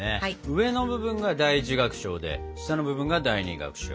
上の部分が第一楽章で下の部分が第二楽章。